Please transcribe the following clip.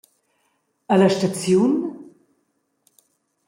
«E la staziun?»